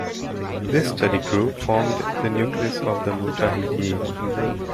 This study group formed the nucleus of the Mojahedin.